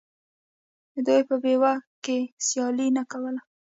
دوی په بیو کې سیالي نه کوله